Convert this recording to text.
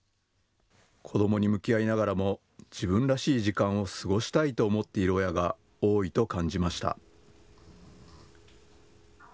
子どもに向き合いながらも自分らしい時間を過ごしたいと思っている親が多いと感じました。